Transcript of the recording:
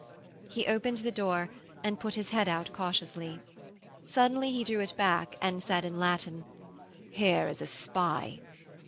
He opened the door and put his head out cautiously. Suddenly he drew it back and said in Latin, 'Here is a spy.'